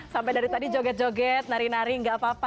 sampai dari tadi joget joget nari nari nggak apa apa